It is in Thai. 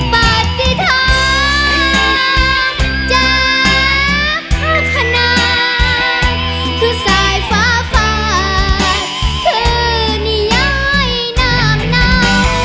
ปฏิภาพจากห้าขณะคือสายฟ้าฝาคือนิยายหน้าเหนา